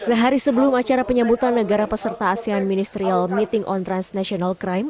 sehari sebelum acara penyambutan negara peserta asean ministerial meeting on transnational crime